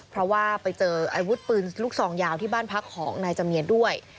เพราะว่าไปเจออาวุธปืนลูกซองยาวที่บ้านพักของนายจำเนียนด้วย